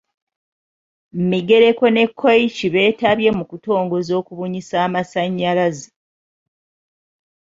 Migereko ne Koiichi beetabye mu kutongoza okubunyisa amasannyalaze.